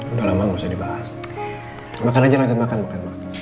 udah lama nggak usah dibahas makan aja macam makan makan